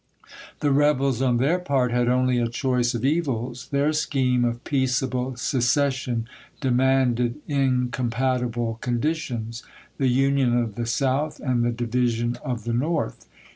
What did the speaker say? The rebels, on their part, had only a choice of evils. Their scheme of peaceable secession de manded incompatible conditions — the union of the South and the division of the North.